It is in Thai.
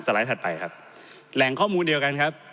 ไลด์ถัดไปครับแหล่งข้อมูลเดียวกันครับ